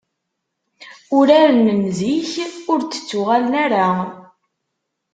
Uraren n zik, ur d-ttuɣalen ara.